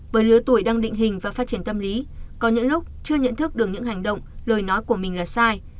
với lứa tuổi đang định hình và phát triển tâm lý có những lúc chưa nhận thức được những hành động lời nói của mình là sai